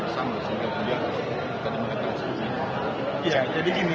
sehingga dia bisa menikah kerja sendiri